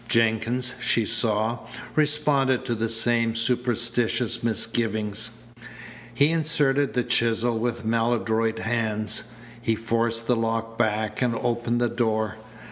Jenkins, she saw, responded to the same superstitious misgivings. He inserted the chisel with maladroit hands. He forced the lock back and opened the door.